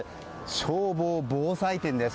消防防災展です。